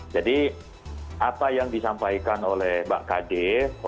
jadi apa yang disampaikan oleh mbak kade